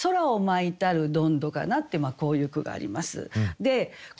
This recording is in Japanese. こういう句があります。